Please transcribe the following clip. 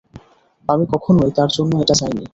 আমি কখনোই তার জন্য এটা চাইনি।